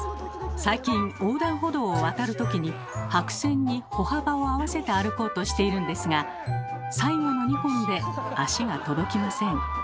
最近横断歩道を渡るときに白線に歩幅を合わせて歩こうとしているんですが最後の２本で足が届きません。